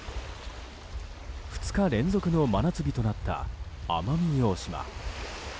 ２日連続の真夏日となった奄美大島。